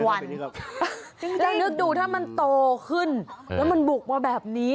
แล้วนึกดูถ้ามันโตขึ้นแล้วมันบุกมาแบบนี้